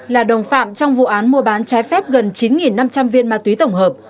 là đồng phạm trong vụ án mua bán trái phép gần chín năm trăm linh viên ma túy tổng hợp